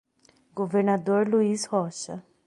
Governador Luiz Rocha